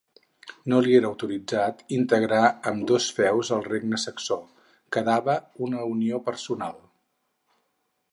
No li era autoritzat integrar ambdós feus al regne saxó, quedava una unió personal.